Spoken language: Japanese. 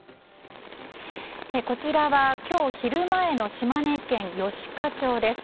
こちらは、今日昼前の島根県吉賀町です。